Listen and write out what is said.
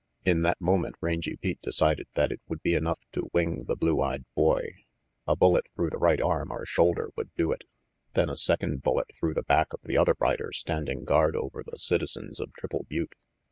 In that moment Rangy Pete decided that it would be enough to wing the blue eyed boy. A bullet through the right arm or shoulder would do it. Then a second bullet through the back of the other rider standing guard over the citizens of Triple Butte.